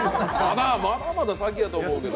まだまだ先だと思うんだけど。